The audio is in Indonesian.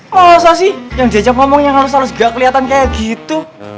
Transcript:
masa sih yang diajak ngomongnya harus harus gak keliatan kayak gitu